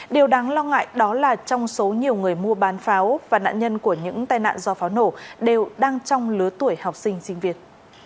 điều đáng lo ngại đó là trong số nhiều người mua bán pháo và nạn nhân của những tai nạn do pháo nổ đều đang trong lứa tuổi học sinh sinh viên